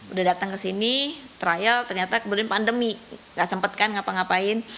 udah datang ke sini trial ternyata kemudian pandemi gak sempet kan ngapa ngapain